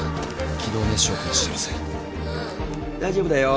大丈夫だよ。